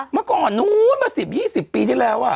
มันพอมา๑๐๒๐ปีที่แล้วอ่ะ